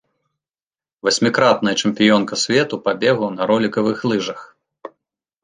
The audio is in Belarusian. Васьмікратная чэмпіёнка свету па бегу на ролікавых лыжах.